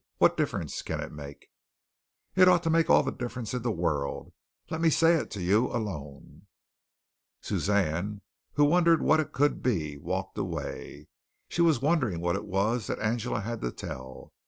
What difference can it make?" "It ought to make all the difference in the world. Let me say it to you alone." Suzanne, who wondered what it could be, walked away. She was wondering what it was that Angela had to tell.